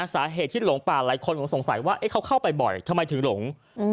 สาเหตุที่หลงป่าหลายคนคงสงสัยว่าเขาเข้าไปบ่อยทำไมถึงหลง